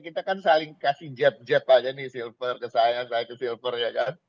kita kan saling kasih jep jet aja nih silver ke saya saya ke silver ya kan